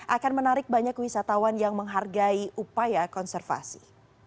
akan menarik banyak wisatawan yang menghargai upaya konservasi